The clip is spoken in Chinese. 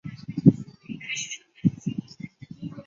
这个作用会增加这些神经递质在突触间隙的浓度。